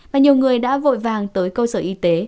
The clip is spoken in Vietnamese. và nhiều người đã vội vàng tới cơ sở y tế